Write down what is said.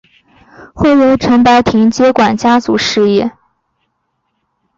后由陈柏廷接管家族事业。